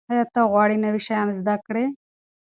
ایا ته غواړې نوي شیان زده کړې؟